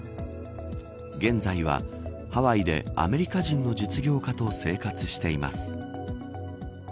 現在はハワイでアメリカ人の実業家と生活しています。